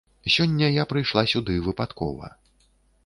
Сёння я прыйшла сюды выпадкова.